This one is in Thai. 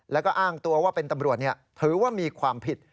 แล้วก็อ้างตัวว่าเป็นตำรวจถือว่ามีความผิด